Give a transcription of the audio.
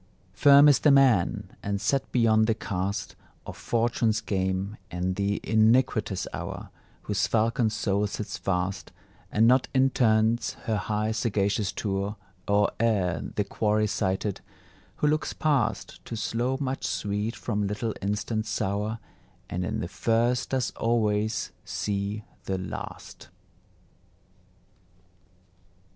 Firm is the man, and set beyond the cast Of Fortune's game, and the iniquitous hour, Whose falcon soul sits fast, And not intends her high sagacious tour Or ere the quarry sighted; who looks past To slow much sweet from little instant sour, And in the first does always see the last.